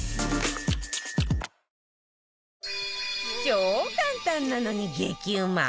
超簡単なのに激うま！